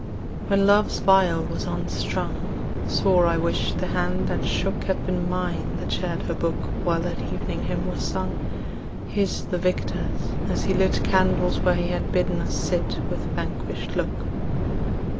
When Love's viol was unstrung, Sore I wished the hand that shook Had been mine that shared her book While that evening hymn was sung, His the victor's, as he lit Candles where he had bidden us sit With vanquished look.